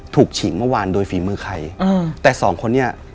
ถูกฉิงเมื่อวานโดยฝีมือใครแต่สองคนนี้